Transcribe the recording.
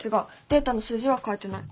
データの数字は変えてない。